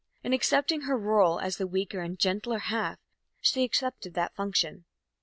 In accepting her rôle as the "weaker and gentler half," she accepted that function.